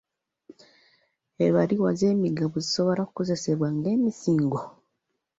Ebbaluwa z'emigabo zisobola okukozesebwa ng'emisingo?